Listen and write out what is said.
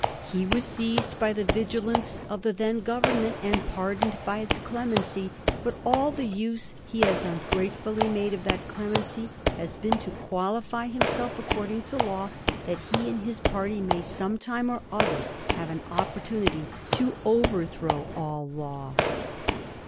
He was seized by the vigilance of the then Government and pardoned by its clemency, but all the use he has ungratefully made of that clemency has been to qualify himself according to law, that he and his party may some time or other have an opportunity to overthrow all law."